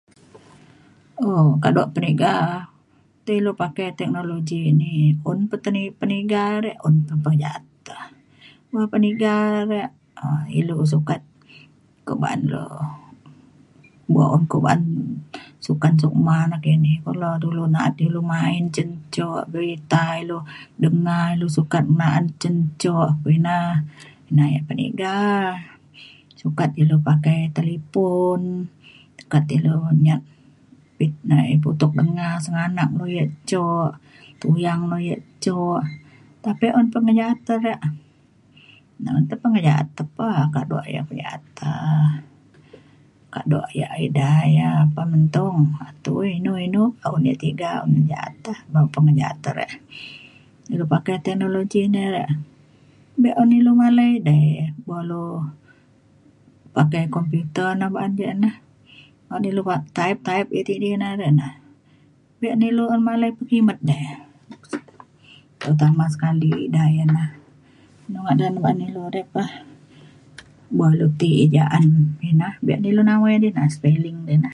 um kaduk penega tai ilu pakai teknologi ini un pe penega un te pe jaat penega rek ilu sokat ku baan re ku baan sukan sukma ne kini un le dulu du naat ilu main main cen cuk ta ilu denga ilu sokat cen cuk ina yek peniga sukat ilu pakai telepon okat ilu nyat putu denga senganak u dek cuk tuyang le ye cuk tapi un pengejaat le rek na un tepe pengejaat re pe kaduk pengejat um kaduk yek ida pementung tu inu inu un dek tiga un dek jaat te pengejaat te re ilu pakai teknologi ine rek dek en ilu malai balu' pakai komputer ne oban ja ne un ilu type type iti di na rek un ilu malai pekimet terutama sekali di ngine ngadan inu ri pe bok ilu ti ejaan inah enta ne ilu nawai spelling jine.